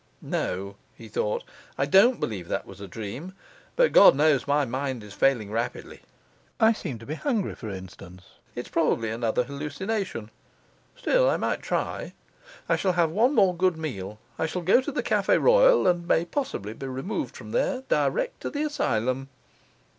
'No,' he thought, 'I don't believe that was a dream; but God knows my mind is failing rapidly. I seem to be hungry, for instance; it's probably another hallucination. Still I might try. I shall have one more good meal; I shall go to the Cafe Royal, and may possibly be removed from there direct to the asylum.